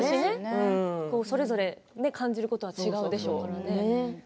それぞれ感じることは違うでしょうし。